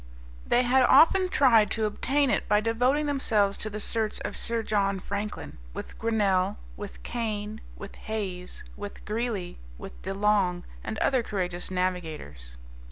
They had often tried to obtain it by devoting themselves to the search of Sir John Franklin, with Grinnel, with Kane, with Hayes, with Greely, with De Long, and other courageous navigators.